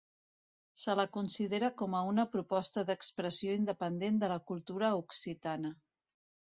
Se la considera com a una proposta d'expressió independent de la cultura occitana.